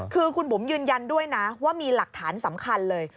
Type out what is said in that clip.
คือคุณบุ๋มยืนยันด้วยนะว่ามีหลักฐานสำคัญเลย